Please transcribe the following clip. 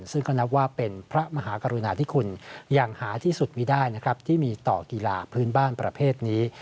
ซึ่งก็นับว่าเป็นพระมหากรุณาธิคุณอย่างหาที่สุดไม่ได้นะครับที่มีต่อกีฬาพื้นบ้านประเภทนี้